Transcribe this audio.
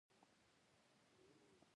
عملي تطبیقولو فرهنګي تکون سطح دی.